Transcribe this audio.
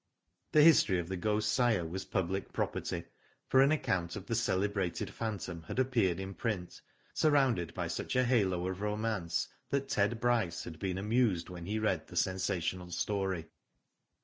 The history of The Ghost's sire was public property, for an account of the celebrated phantom had appeared in print, surrounded by such a halo of romance that Ted Bryce had been amused when he read the sensational story.